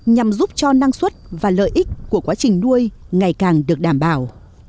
nhằm giúp cho năng suất và lợi ích của quá trình nuôi ngày càng được đảm bảo